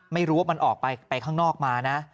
ไม่รู้ว่ามันออกไปข้างนอกมานะ